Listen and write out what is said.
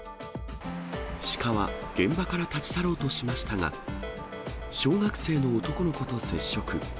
シカは現場から立ち去ろうとしましたが、小学生の男の子と接触。